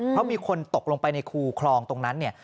เพราะมีคนตกลงไปในคูคลองตรงนั้นเนี่ย